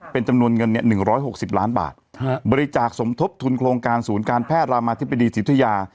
เป็นจำนวนเงิน๑๖๐ล้านบาทบริจาคสมทบทุนโครงการศูนย์การแพทย์รามาธิบดีจิตยา